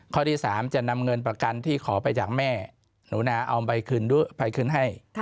ข้อที่๓จะนำเงินประกันที่ขอไปจากแม่หนูนาเอาไปคืนให้